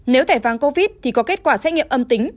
nếu thẻ vàng covid thì có kết quả xét nghiệm âm tính